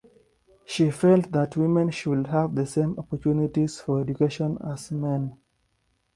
She felt that women should have the same opportunities for education as men.